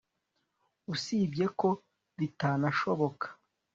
usibye ko bitanashoboka